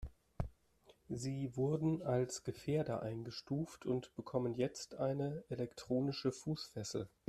Sie wurden als Gefährder eingestuft und bekommen jetzt eine elektronische Fußfessel.